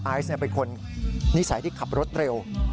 เป็นคนนิสัยที่ขับรถเร็ว